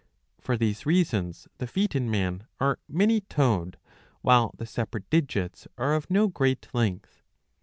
For these reasons the feet in man are many toed, while the separate digits are of no great length.